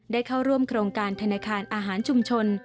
ได้เข้าร่วมโครงการธนาคารอาหารชุมชน